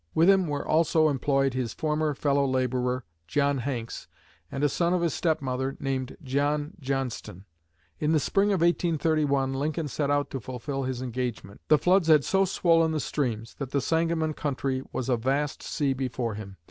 With him were also employed his former fellow laborer, John Hanks, and a son of his step mother named John Johnston. In the spring of 1831 Lincoln set out to fulfil his engagement. The floods had so swollen the streams that the Sangamon country was a vast sea before him.